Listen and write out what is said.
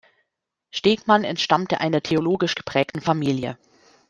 Stegmann entstammte einer theologisch geprägten Familie.